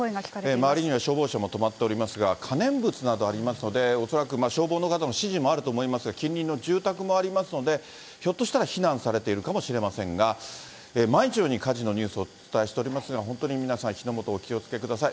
周りには消防車も止まっておりますが、可燃物などありますので、恐らく消防の方の指示もあると思いますが、近隣の住宅もありますので、ひょっとしたら避難されているかもしれませんが、毎日のように火事のニュースをお伝えしておりますが、本当に皆さん、火の元、お気をつけください。